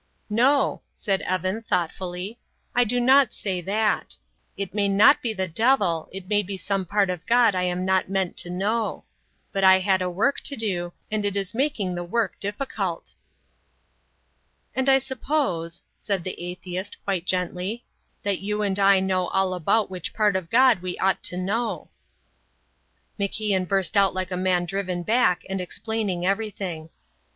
"No," said Evan, thoughtfully, "I do not say that. It may not be the devil, it may be some part of God I am not meant to know. But I had a work to do, and it is making the work difficult." "And I suppose," said the atheist, quite gently, "that you and I know all about which part of God we ought to know." MacIan burst out like a man driven back and explaining everything.